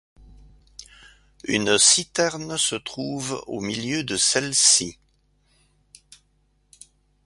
Une citerne se trouve au milieu de celle-ci.